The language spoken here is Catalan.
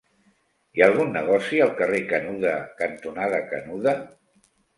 Hi ha algun negoci al carrer Canuda cantonada Canuda?